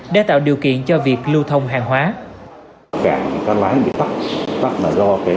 để tạo điều kiện cho việc lưu thông hàng hóa